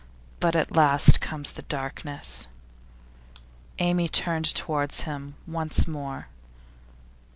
But at last comes the darkness.' Amy turned towards him once more.